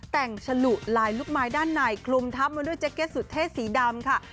แต่งฉลุลายลูกไม้ด้านในคลุมทับมาด้วยแจ็กเก็ตสุดเทศสีดำค่ะ